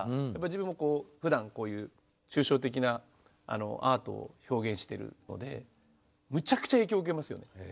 自分もふだんこういう抽象的なアートを表現しているのでむちゃくちゃ影響受けますよね。